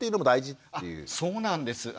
そうなんです。